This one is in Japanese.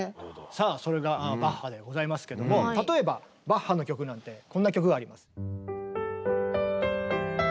さあそれがバッハでございますけども例えばバッハの曲なんてこんな曲があります。